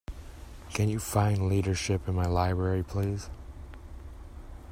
can you find Leadership in my library, please?